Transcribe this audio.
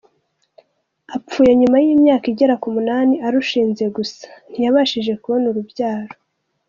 Apfuye nyuma y’imyaka igera ku munani arushinze gusa ntiyabashije kubona urubyaro.